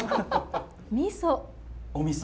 みそ。